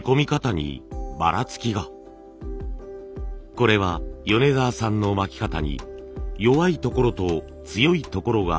これは米澤さんの巻き方に弱いところと強いところがある証拠です。